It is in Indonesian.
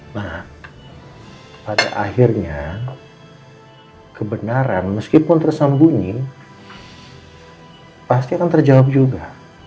nah pada akhirnya kebenaran meskipun tersembunyi pasti akan terjawab juga